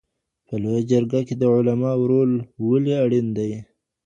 په لویه جرګه کي د علماوو رول ولي اړین دی؟